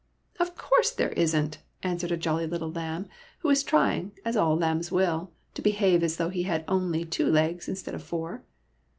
" Of course there is n't," answered a jolly little lamb, who was trying, as lambs will, to behave as though he had only two legs instead of four.